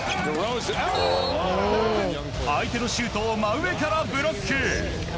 相手のシュートを真上からブロック。